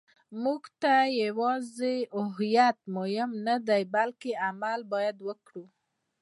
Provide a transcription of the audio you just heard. موږ ته یوازې هویت مهم نه دی، بلکې عمل باید وکړو.